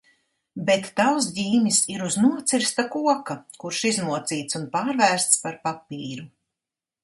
Bet tavs ģīmis ir uz nocirsta koka, kurš izmocīts un pārvērsts par papīru.